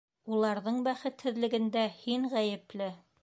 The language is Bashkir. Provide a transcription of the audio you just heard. Уларҙың бәхетһеҙлегендә һин ғәйепле!